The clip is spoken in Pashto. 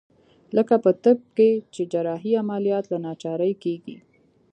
لکه په طب کښې چې جراحي عمليات له ناچارۍ کېږي.